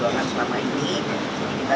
akan sedang dilakukan